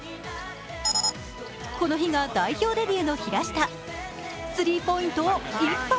この日が代表デビューの平下、スリーポイントを１本！